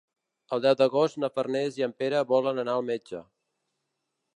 El deu d'agost na Farners i en Pere volen anar al metge.